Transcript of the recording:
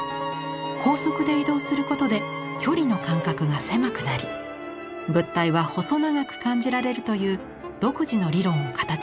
高速で移動することで距離の感覚が狭くなり物体は細長く感じられるという独自の理論を形にしました。